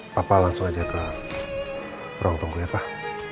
papa langsung aja ke ruang tunggu ya pak